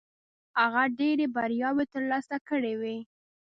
هغه ډېرې بریاوې ترلاسه کړې وې.